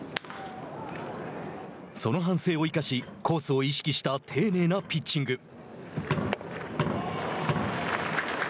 その反省を生かしコースを意識した丁寧なピッチング。